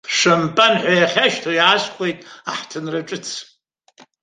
Шампан ҳәа иахьашьҭоу иаасхәеит аҳҭынра ҿыц.